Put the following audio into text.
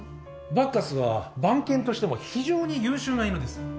バッカスは番犬としても非常に優秀な犬です。